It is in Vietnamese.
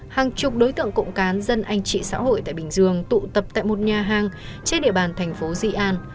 hàng chục đối tượng cộng cán dân anh chị xã hội tại bình dương tụ tập tại một nhà hàng trên địa bàn thành phố dị an